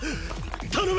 頼む！